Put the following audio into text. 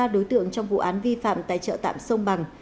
ba đối tượng trong vụ án vi phạm tại chợ tạm sông bằng